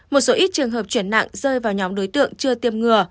một số ít trường hợp chuyển nặng rơi vào nhóm đối tượng chưa tiêm ngừa